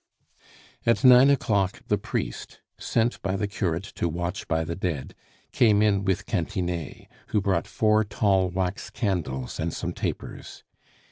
At nine o'clock the priest, sent by the curate to watch by the dead, came in with Cantinet, who brought four tall wax candles and some tapers.